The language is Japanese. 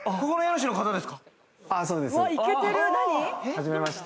はじめまして。